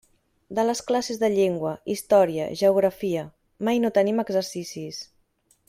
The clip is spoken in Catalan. De les classes de llengua, història, geografia..., mai no tenim exercicis.